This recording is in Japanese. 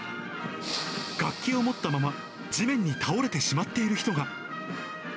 楽器を持ったまま、地面に倒れてしまっている人が。